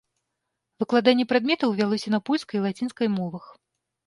Выкладанне прадметаў вялося на польскай і лацінскай мовах.